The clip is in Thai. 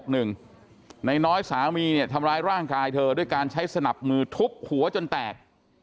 นายน้อยสามีเนี่ยทำร้ายร่างกายเธอด้วยการใช้สนับมือทุบหัวจนแตก